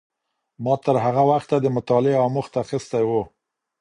ما تر هغه وخته د مطالعې اموخت اخیستی و.